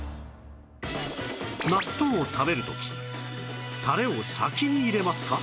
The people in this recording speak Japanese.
納豆を食べる時タレを先に入れますか？